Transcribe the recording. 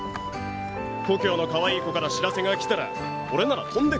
故郷のかわいい子から知らせが来たら俺なら飛んで帰る。